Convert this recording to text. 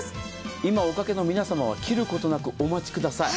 今、おかけの皆様は切ることなくお待ちください。